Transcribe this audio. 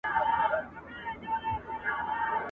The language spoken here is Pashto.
ور څرگنده یې آرزو کړه له اخلاصه ..